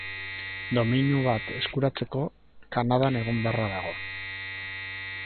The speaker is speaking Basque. Domeinu bat eskuratzeko Kanadan egon beharra dago.